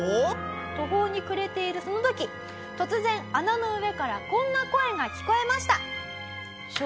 途方に暮れているその時突然穴の上からこんな声が聞こえました。